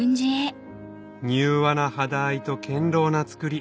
柔和な肌合いと堅牢な作り